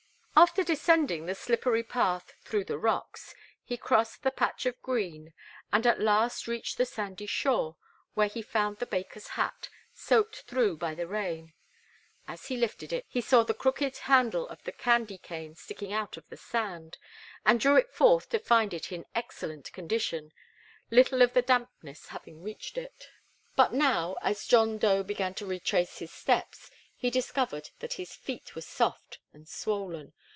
After descending the slippery path through the rocks, he crossed the patch of green, and at last reached the sandy shore, where he found the baker's hat, soaked through by the rain. As he lifted it he saw the crooked handle of the candy cane sticking out of the sand, and drew it forth to find it in excellent condition, little of the dampness having reached it. But now, as John Dough began to retrace his steps, he discovered that his feet were soft and swollen.